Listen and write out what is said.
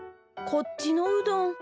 こっちのうどん？